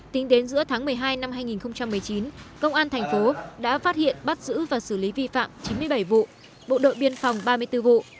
tính đến giữa tháng một mươi hai năm hai nghìn một mươi chín công an thành phố đã phát hiện bắt giữ và xử lý vi phạm chín mươi bảy vụ bộ đội biên phòng ba mươi bốn vụ